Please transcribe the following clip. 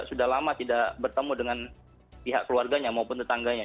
sudah lama tidak bertemu dengan pihak keluarganya maupun tetangganya